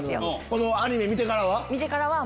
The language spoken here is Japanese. このアニメ見てからは？